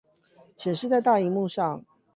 顯示在大螢幕上